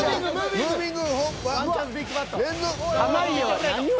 ムービング。